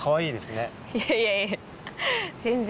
いやいやいや全然。